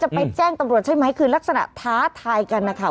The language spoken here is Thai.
ไปแจ้งตำรวจใช่ไหมคือลักษณะท้าทายกันนะคะ